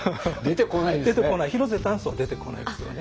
出てこない広瀬淡窓は出てこないですよね。